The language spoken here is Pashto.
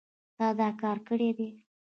تا دا کار کړی دی